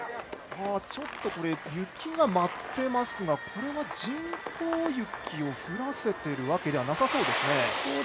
ちょっと雪が舞っていますがこれは人工雪を降らせているわけではなさそうですね。